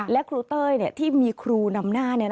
และครูเต้ยที่มีครูนำหน้า